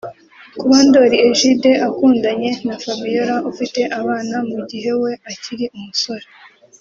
Kuba Ndoli Egide akundanye na Fabiola ufite abana mu gihe we akiri umusore